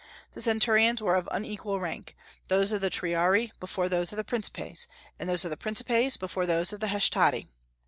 The centurions were of unequal rank, those of the Triarii before those of the Principes, and those of the Principes before those of the Hastati.